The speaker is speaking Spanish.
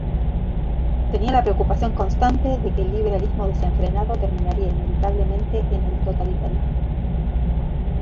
Tenía la preocupación constante de que el liberalismo desenfrenado terminaría inevitablemente en el totalitarismo.